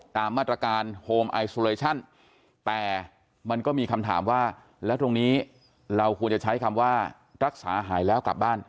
ตามมาตรการโฮมไอซูเลชั่นแต่มันก็มีคำถามว่าแล้วตรงนี้เราควรจะใช้คำว่ารักษาหายแล้วกลับบ้าน